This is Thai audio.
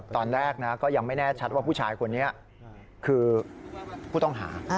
ตอนแรกนะก็ยังไม่แน่ชัดว่าผู้ชายคนนี้คือผู้ต้องหา